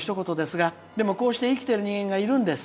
でも、こうやって生きている人間がいるんです。